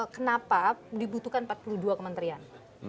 kenapa dibutuhkan empat puluh dua kementerian